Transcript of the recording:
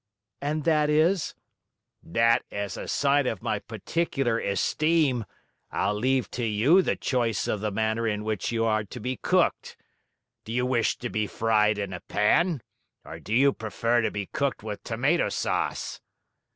"And that is " "That, as a sign of my particular esteem, I'll leave to you the choice of the manner in which you are to be cooked. Do you wish to be fried in a pan, or do you prefer to be cooked with tomato sauce?"